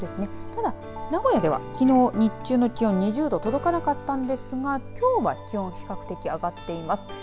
ただ、名古屋ではきのう日中の気温２０度届かなかったんですがきょうは気温比較的上がっています。